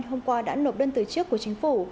hôm qua đã nộp đơn từ chức của chính phủ